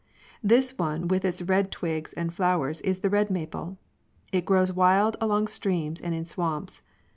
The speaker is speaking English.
This one with its red twigs and flowers is the red maple. It grows wild along streams and in swamps.